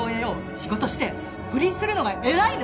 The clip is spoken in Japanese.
仕事して不倫するのが偉いの？